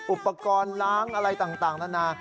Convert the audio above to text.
อุปกรณ์ล้างอะไรต่างนานา